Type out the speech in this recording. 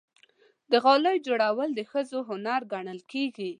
د غالۍ جوړول د ښځو هنر ګڼل کېږي.